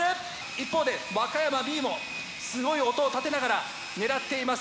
一方で和歌山Ｂもすごい音を立てながら狙っています